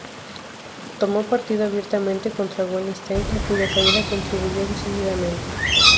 Tomó partido abiertamente contra Wallenstein, a cuya caída contribuyó decididamente.